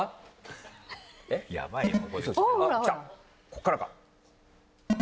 ここからか？